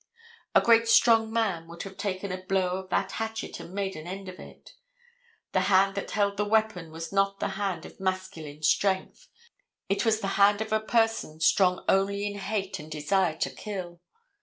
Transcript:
A great strong man would have taken a blow of that hatchet and made an end of it. The hand that held the weapon was not the hand of masculine strength. It was the hand of a person strong only in hate and desire to kill.